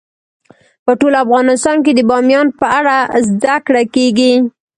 په ټول افغانستان کې د بامیان په اړه زده کړه کېږي.